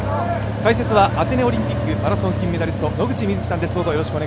解説はアテネオリンピックマラソン金メダリスト野口みずきさんです。